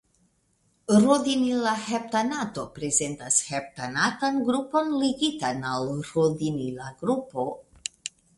Rodinila heptanato prezentas heptanatan grupon ligitan al rodinila grupo.